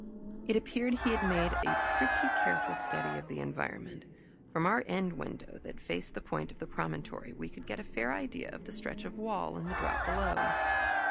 It appeared he had made a pretty careful study of the environment. From our end window that faced the point of the promontory we could get a fair idea of the stretch of wall, and the drop below.